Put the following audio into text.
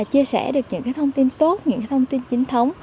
những cái thông tin chính thức những cái thông tin tốt những cái thông tin chính thức